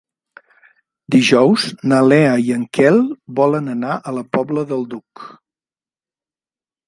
Dijous na Lea i en Quel volen anar a la Pobla del Duc.